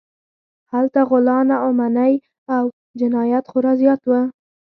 هلته غلا، ناامنۍ او جنایت خورا زیات و.